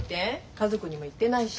家族にも言ってないし。